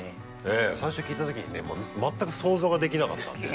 最初聞いた時に全く想像ができなかったんで。